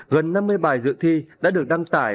gần năm mươi bài dự thi đã được đăng tải